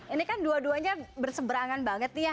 ini kan dua duanya berseberangan banget nih ya